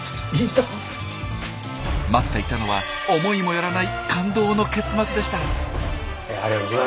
待っていたのは思いもよらない感動の結末でした！